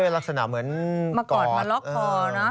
รักษณะเหมือนมากอดมาล็อกคอนะ